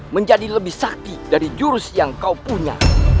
menjadi lebih sakit dari jurus yang kau punya